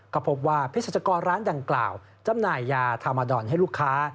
ก็พบว่าเพศรัชกรร้านดังกล่าวจำหน่ายยาธรรมดอนให้ลูกค้า